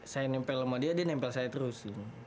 saya nempel sama dia dia nempel saya terus